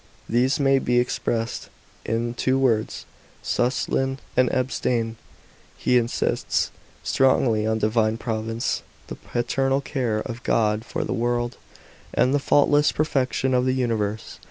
These may be expressed in two words sust'iin and abstain.* He insists stronuly on divine providence, the paternal care of God for the world, and the faultless perfection of the universe.